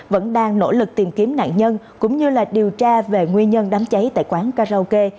vẫn đang nỗ lực tìm kiếm nạn nhân cũng như điều tra về nguyên nhân đám cháy tại quán karaoke